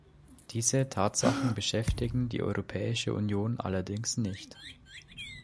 Diese Tatsachen beschäftigen die Europäische Union allerdings nicht.